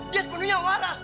dia sepenuhnya waras